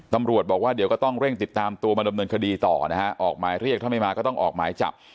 ตำรวจบอกว่าเดี๋ยวก็ต้องเร่งติดตามตัวมาดำเนินคดีต่อนะฮะออกหมายเรียกถ้าไม่มาก็ต้องออกหมายจับ